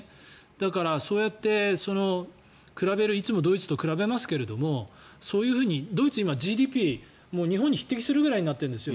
だからそうやって比べるいつもドイツと比べますがそういうふうにドイツは今ＧＤＰが日本に匹敵するぐらいになっているんです。